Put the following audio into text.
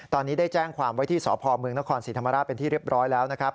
ตอนนี้ได้แจ้งความไว้ที่สพเมืองนครศรีธรรมราชเป็นที่เรียบร้อยแล้วนะครับ